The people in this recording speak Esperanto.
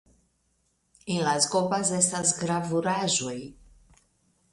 En Las Gobas estas gravuraĵoj.